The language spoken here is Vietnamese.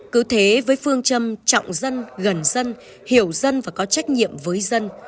cứ thế với phương châm trọng dân gần dân hiểu dân và có trách nhiệm với dân